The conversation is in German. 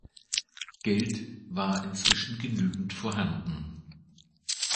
Geld war inzwischen genügend vorhanden.